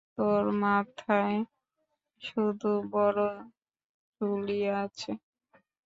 তোর মাথায় শুধু বড় চুলই আছে।